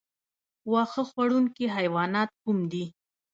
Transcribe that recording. واښه خوړونکي حیوانات کوم دي؟